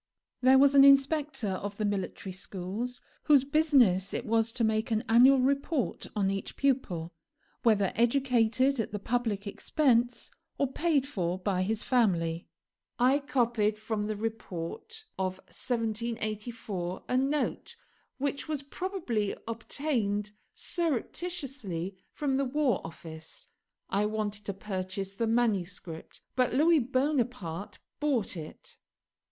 There was an inspector of the military schools, whose business it was to make an annual report on each pupil, whether educated at the public expense or paid for by his family. I copied from the report of 1784 a note which was probably obtained surreptitiously from the War Office. I wanted to purchase the manuscript, but Louis Bonaparte bought it.